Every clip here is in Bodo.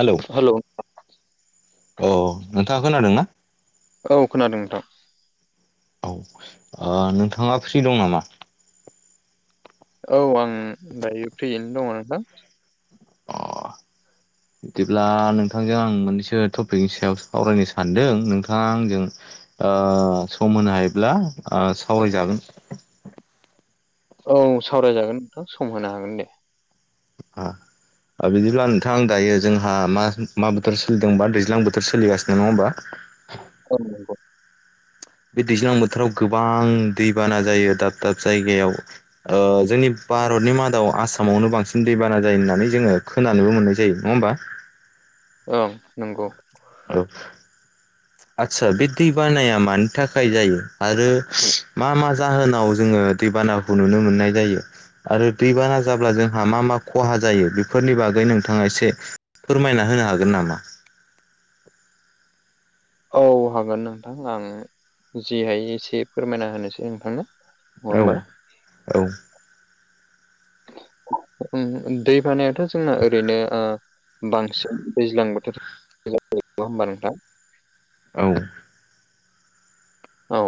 हेलौ अ' नोंथाङा खोनादोंना? औ खोनादों नोंथां। औ ओ नोंथाङा फ्रि दं नामा? औ आं दायो फ्रियैनो दङ' नोंथां। अ बिदिब्ला नोंथांजों आं मोननैसो टपिकनि सायाव सावरायनो सानदों नोंथाङा आंजों ओ सम होनो हायोब्ला ओ सावरायजागोन। औ सावरायजागोन नोंथां सम होनो हागोन दे। आह। बिदिब्ला नोंथां दायो जोंहा मा मा बोथोर सोलिदोंबा दैज्लां बोथोर सोलिगासिनो नङा होमबा? औ नंगौ। बे दैज्लां बोथोराव गोबां दैबाना जायो दाब दाब जायगायाव ओह जोंनि भारतनि मादाव आसामावनो बांसिन दैबाना जायो होननानै जोङो खोनानोबो मोननाय जायो नङा होमबा? ओं नंगौ। औ। आदसा बे दै बानाया मानि थाखाय जायो आरो मा मा जाहोनाव जोङो दै बाना खौ नुनो मोननाय जायो। आरो दैबाना जाब्ला जोंहा मा मा खहा जायो बेफोरनि बागै नोंथाङा एसे फोरमायना होनो हागोन नामा? औ हागोन नोंथां आं जिहाय एसे फोरमायना होनोसै नोंथांनो। औ होमबा औ। उम दै बानायाथ' जोंना ओरैनो ओ बांसिन दैज्लां बोथोर [unintelligible] होमबा नोंथां? औ। औ।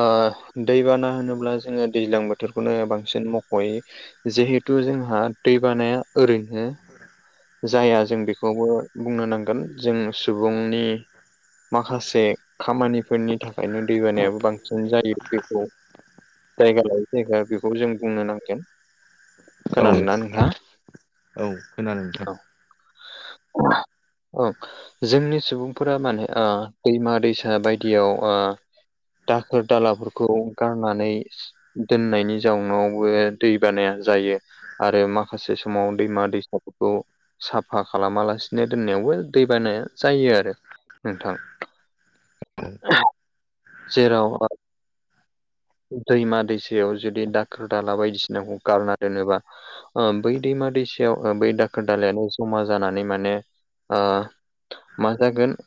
ओ दैबाना होनोब्ला जोङो दैज्लां बोथोरखौनो बांसिन मख'यो। जिहेथु जोंहा दै बानाया ओरैनो जाया जों बेखौबो बुंनो नांगोन जों सुबुंनि माखासे खामानिफोरनि थाखायनो दैबानायाबो बांसिन जायो बेखौ जायगा लायै जायगा बेखौ जों बुंनो नांगोन। औ खोनादोंना नोंथाङा - औ खोनादों नोंथां। औ औ। जोंनि सुबुंफोरा माने ओ दैमा दैसा बायदियाव ओ दाखोर दालाफोरखौ गारनानै दोननायनि जाउनावबो दै बानाया जायो। आरो माखासे समाव दैमा दैसा खौ साफा खालामालासिनो दोननायावबो दै बानाया जायो आरो। नोंथां जेराव दैमा दैसायाव जुदि दाखोर दाला बायदिसिनाखौ गारना दोनोबा ओ बै दैमा दैसायाव ओ बै दाखोर दालाायानो जमा जानानै माने ओ मा जागोन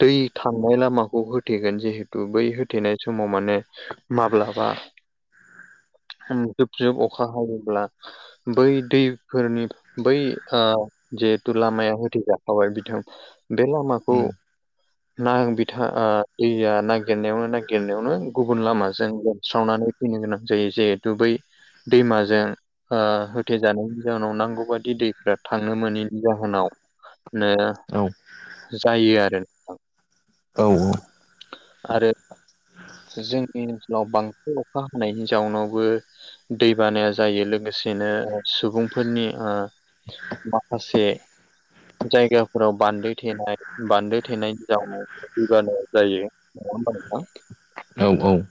दै थांनाय लामाखौ होथेगोन जिहेतु बै होथेनाय समाव माने माब्लाबा ओम जुब - जुब अखा हायोब्ला बै दै फोरनि बै ओ जिहेथु लामाया होथैजाखाबाय बिथां बे लामाखौ उम ना बिथा दैया नागिरनायावनो - नागिरनायावनो गुबुन लामाजों लोबस्रावनानै फैनो गोनां जायो जेहुतु बै दैमाजों ओ होथेजानाय जाहोनाव नांगौ बायदि दैफ्रा थांनो मोनैनि जाहोनाव नो औ। जायो आरो नोंथां। औ - औ। आरो जोंनि ओनसोलाव बांसिन अखा हानाय जाउनावबो दै बानाया जायो लोगोसेनो ओ सुबुं फोरनि ओ माखासे जायगाफोराव बान्दो थेनाय बान्दो थेनायनायनि जाउनाव दैैबानाया जायो। [unintelligible] औ - औ।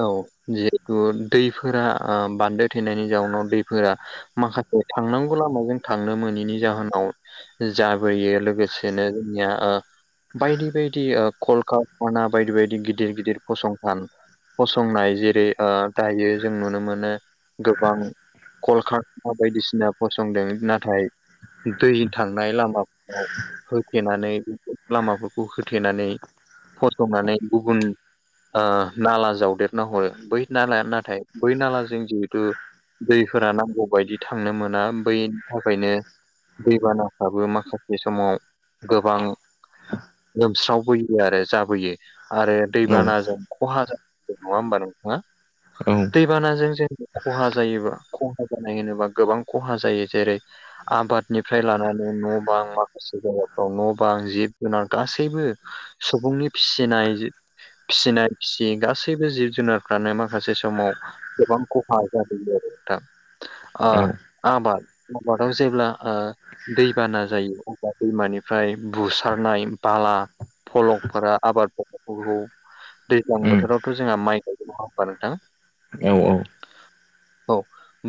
औ जिहेतु दैफोरा ओ बान्दो थैनायनि जाउनाव दैफोरा माखासे थांनांगौ लामाजों थांनो मोनैनि जाहोनाव जाबोयो लोगोसेनो जोंनिया ओ बायदि-बायदि ओ कलकारखाना बायदि-बायदि गिदिर-गिदिर फसंथान फसंनाय जेरै ओ दायो जों नुनो मोनो गोबां कलकारखाना बायदिसिना फसंदों नाथाय दै थांनाय लामाफोराव होथेनानै लामाफोरखौ होथेनानै फसंनानै गुबुन ओ नाला जावदेरना हरो बै नालाया नाथाय बै नालाजों जिहुतु दैफोरा नांगौ बायदि थांनो मोना बै थाखायनो दैबानाफ्राबो माखासे समाव गोबां लोमस्रावबोयो आरो जाबोयो आरो दै औ उम औ बानाजों खहा जा नङा होमबा नोंथाङा? उम औ दैबानाजों जों खहा जायोबा खहा जानाय होनोबा गोबां खहा जायो जेरै आबादनिफ्राय लानानै न' बां माखासे जायगाफ्राव न' बां जिब जुनार गासैबो सुबुंनि फिसिनाय जिब फिसिनाय फिसियै गासैबो जिब जुनारफ्रानो माखासे समाव गोबां खहा जाहैयो आरो नोंथां। ओ आबाद मावबाथ' जेब्ला ओ दैबाना जायो अब्ला दैमानिफ्राय बुसारनाय बाला फलंफोरा आबाद फोथारफोरखौ दैज्लां बोथोरावथ' जोंहा माइ गायो नङा होमबा नोंथां? औ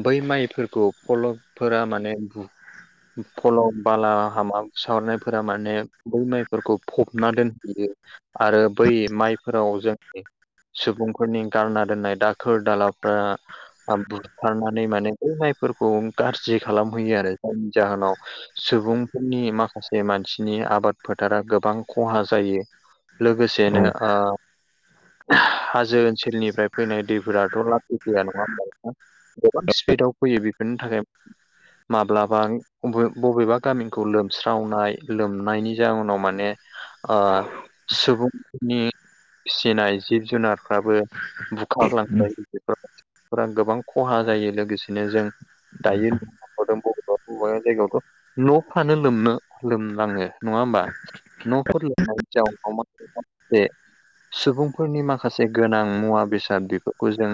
बै माइफोरखौ फलबफोरा माने बेखौ फल' बाला हामा सावनायफोरा माने बै माइफोरखौ फबना दोनहैयो। आरो बै माइ फोराव जोंनि सुबुंफोरनि गारना दोननाय दाखोर दालाफ्रा ओ बुखारनानै माने बे माइफोरखौ गाज्रि खालामहैयो आरो जायनि जाहोनाव सुबुंफोरनि माखासे मानसिनि आबाद फोथारा गोबां खहा जायो। लोगोसेनो ओ हाजो ओनसोलनिफ्राय फैनाय दैफोराथ' लासै फैया नङा होनोमब्ला नोंथां? गोबां स्पिडआव फैयो बेफोरनि थाखाय माब्लाबा अबे बबेबा गामिखौ लोमस्रावनाय लोमनायनि जाउनाव माने ओ सुबुंफोरनि फिसिनाय जिब जुनारफ्राबो बुखारलांजायो बेफोर फोरा गोबां खहा जायो लोगोसेनो जों दायो [unintelligible] अबेबा जायगायाव थ' न' फानो लोमनो लोमलाङो नङा होमबा। न'फोर लुनायनि जाउनाव माखा सानसे सुबुंफोरनि माखासे गोनां मुवा बेसाद बेफोरखौ जों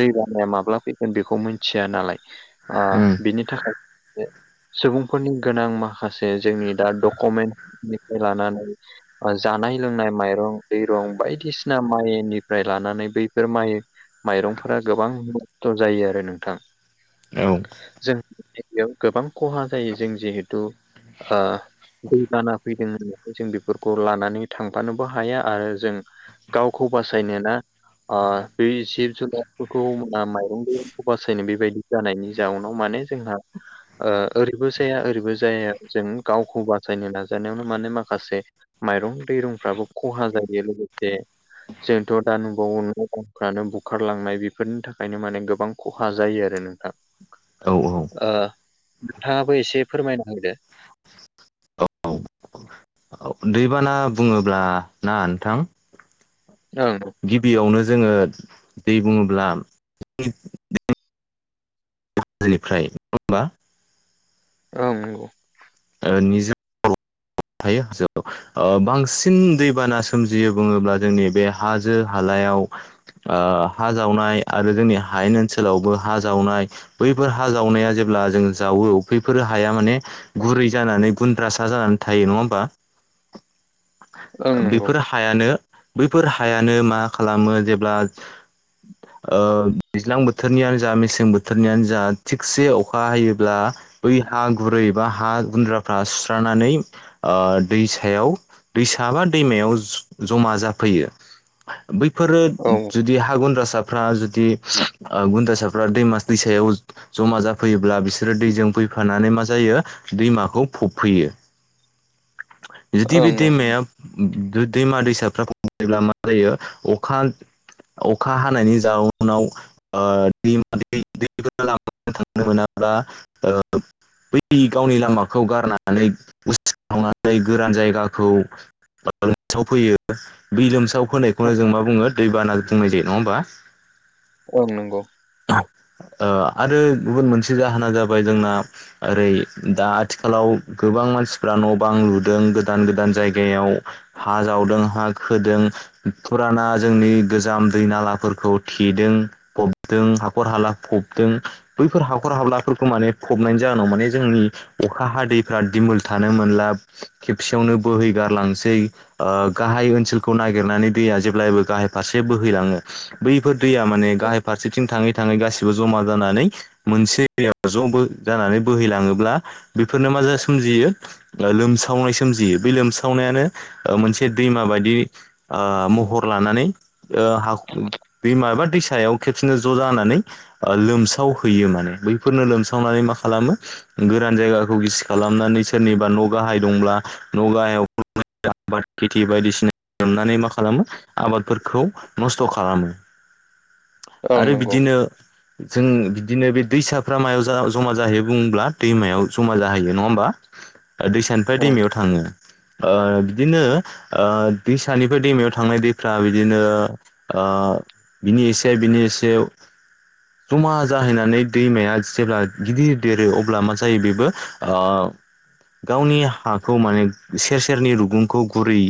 दै बानाया माब्ला फैगोन बेखौ मिथिया नालाय आ बिनि थाखाय सुबुंफोरनि गोनां माखासे जोंनि दा डकुमेन्टनिफ्राय लानानै जानाय लोंनाय माइरं। दै रं बायदिसिना माइनिफ्राय लानानै बैफोर माइ माइरंफोरा गोबां नस्थ' जायो आरो नोंथां। औ जों जायगायाव गोबां खहा जायो जों जिहेथु ओ दैबाना फैदों होननानै जों बेफोरखौ लानानै थांफानोबो हाया। आरो जों गावखौ बासायनो ना आ बे जिब जुनारफोरखौ माइरं दैरंखौ बासायनो बेबायदि। जानायनि जाउनाव माने जोंहा ओ ओरैबो जाया ओरैबो जाया जों गावखौ बासायनो नाजानायावनो माने माखासे माइरं दैरंफ्राबो खहा जायो लोगोसे जोंथ' दा नुबावो नफ्रानो बुखारलांनाय बेफोरनि थाखायनो माने गोबां खहा जायो आरो नोंथां औ औ ओ नोंथाङाबो एसे फोरमायना होदो औ दैबाना बुङोब्ला ना नोंथां ओं गिबियावनो जोङो दै बुङोब्ला जेनिफ्राय नङा होमबा ओं ओ निजोम थायो हाजोआव ओ बांसिन दैबाना सोमजियो बुङोब्ला जोंनि बे हाजो हालायाव ओ हा जावनाय आरो जोंनि हायेन ओनसोलावबो हा जावनाय बैफोर हा जावनाया जेब्ला जों जावो बैफोर हाया माने गुरै जानानै गुन्द्रासा जानानै थायो नङा होमबा ओं नंगौ बेफोर हायानो बैफोर हायानो मा खालामो जेब्ला ओ दैज्लां बोथोरनियानो जा मेसें बोथोरनियानो जा थिगसे अखा हायोब्ला बै हा गुरै बा हा गुन्द्राफ्रा सुस्रनानै ओ दैसायाव दैसाबा दैमायाव जमा जाफैयो। बैफोरो ओं जुदि हागुनद्रासा फ्रा जुदि ओ गुन्दासाफ्रा दै मास दैसायाव जमा जाफैयोब्ला बिसोरो दैजों फैफानानै मा जायो दैमाखौ फबफैयो जुदि बे नंगौ दैमाया दैमा दैसाफ्राोबब्ला मा जायो अखा अखा हानायनि जाउनाव ओ [unintelligible] बै गावनि लामाखौ गारनानै [unintelligible] गोरान जायगाखौ [unintelligible] लोमसाव फैयो बै लोमसाव औ बोनायखौनो जों मा बुङो दै बाना बुंनाय जायो नङा होमबा ओं नंगौ ओ आरो गुबुन मोनसे जाहोना जाबाय जोंना ओरै दा आथिखालाव गोबां मानसि फ्रा न' बां लुदों गोदान गोदान जायगायाव हा जावदों हा खोदों फुराना जोंनि गोजाम दै नालाफोरखौ थेदों फबदों हाखर हाला फबदों बैफोर हाखर हाबलाफोरखौ माने फबनायनि जाहोनाव माने जोंनि अखा हादैफ्रा दिमोल थानो मोनला खेबसेयावनो बोहैगारलांसै। ओ गाहाय ओनसोलखौ नागिरनानै दैया जेब्लायबो गाहाय फारसे बोहैलाङो। बैफोर दैया माने गाहाय फारसेथिं थाङै थाङै गासिबो जमा जानानै मोनसे [unintelligible] ज' बो जानानै बोहैलाङोब्ला बेफोरनो मा जा सोमजियो लोमसावनाय सोमजियो बे लोमसावनायानो ओ मोनसे दैमा बायदि ओ महर लानानै ओ हा दैमा एबा दैसायाव खेबसेनो ज' जानानै ओ लोमसावहैयो माने बैफोरनो लोमसावनानै मा खालामो गोरान जायगाखौ गिसि खालामनानै सोरनिबा न' गाहाय दंब्ला न' गाहायाव [unintelligible] [unintelligible] खेथि बायदिसिना लोमनानै मा खालामो आबादफोरखौ नस्थ' खालामो ओं आरो नंगौ बिदिनो जों बिदिनो बे दैसाफ्रा मायाव जा जमा जाहैयो बुंब्ला दैमायाव जमा जाहैयो नङा होमबा। ओ दैसानिफ्राय ओं नंगौ ओं दैमायाव थाङो। ओ बिदिनो ओ दैसानिफ्राय दैमायाव थांनाय दैफ्रा बिदिनो ओ बिनि एसे बिनि एसे जमा जाहैनानै दैमाया जेब्ला गिदिर देरो अब्ला मा जायो बेबो ओ गावनि हाखौ माने सेर सेरनि रुगुंखौ गुरै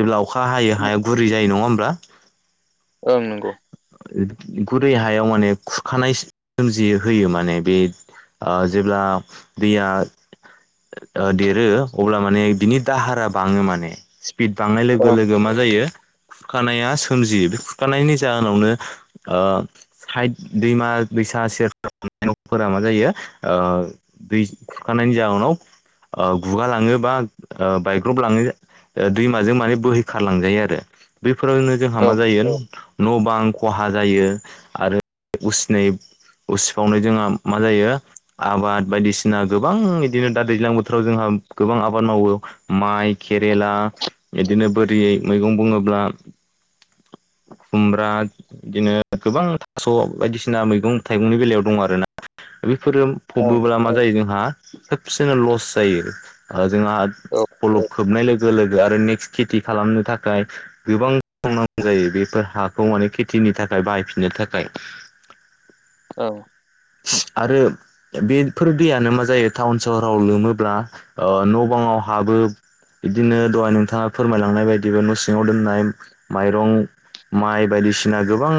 जेब्ला अखा हायो हाया गुरै जायो नङा होमब्ला ओं नंगौ गुरै हायाव माने खुरखानाय सोमजियो होयो माने बे ओ जेब्ला दैया ओ देरो अब्ला माने बिनि दाहारा बाङो माने बि बांनाय लोगो ओं लोगो मा जायो खुरखानाया सोमजियो बे खुखानायनि जाहोनावनो ओ हाइ दैमा दैसा सेर [unintelligible] नफोरा मा जायो ओ दै खुरखानायनायनि जाउनाव ओ गुगा लाङो बा ओ बायग्रब लाङो। ओ दैुमाजों माने बोहैखारलांजायो आरो बैफोरावनो जोंहा औ मा जायो न' बां खहा जायो आरो उसिनै उसिफावनाय जोंहा मा जायो आबाद बायदिसिना गोबां बिदिनो दा दैज्लां बोथोराव जोंहा गोबां आबाद मावो माइ केेरेला बिदिनो बोरि मैगं बुङोब्ला खुमब्रा बिदिनो गोबां थास' बायदिसिना मैगं थाइगंनि बेलायाव दं आरोना बेफोरो ओं फबोब्ला मा जायो जोंहा खेबसेनो लस जायो। ओ जोंहा औ फलब खोबनाय लोगो लोगो आरो नेक्स्ट खेथि खालामनो थाखाय गोबां [unintelligible] जायो बेफोर हाखौ माने खेथिनि थाखाय बाहायफिननो थाखाय। औ आरो बेफोर दैयानो मा जायो टाउन सहराव लोमोब्ला न' बाङाव हाबो बिदिनो दहाय नोंथाङा फोरमायलांनाय बायदिबो न' सिङाव दोननाय माइरं माइ बायदिसिना गोबां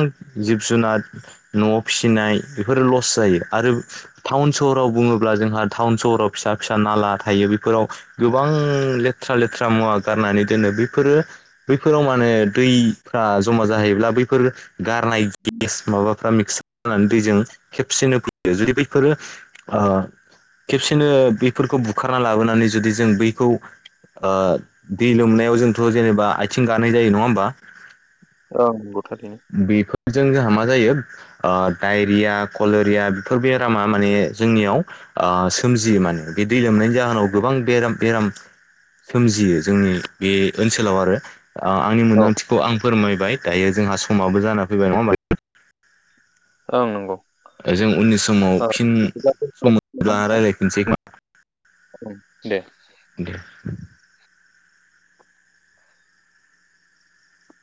जिब जुनार न'आव फिसिनाय बेफोर लस फस जायो आरो टाउन सहराव बुङोब्ला जोंहा टाउन सहराव फिसा फिसा नाला थायो बेफोराव गोबां लेथ्रा लेथ्रा मुवा गारनानै दोनो बेफोरो बैफोराव माने दैफ्रा जमा जाहैब्ला बैफोर गारनाय गेस माबाफ्रा मिक्सार खालामनानै दैजों खेबसेनो फैयो जुदि बैफोरो खेबसेनो बेफोरखौ बुखारना लाबोनानै जुदि जों बैखौ दै लोमनायाव जोंथ' जेनेबा आथिं गानाय जायो नङा होमबा ओं गथनो [unintelligible] बेफोरजों जोंहा मा जायो डायरिया, कलेरिया बेफोर बेरामा माने जोंनियाव सोमजियो माने बे दै लोमनायनि जाहोनाव गोबां बेराम- बेराम सोमजियो जोंनि बे ओनसोलाव आरो आंनि औ मोन्दांथिखौ आं फोरमायबाय दायो जोंहा समाबो जाना फैबाय नङा होमबा ओं नंगौ जों उननि समाव ओ फिन बिदिब्ला सम दोनथ'लायनोसै नामा मोनब्ला नोंथां? रायज्लायफिनसै खोमा दे दे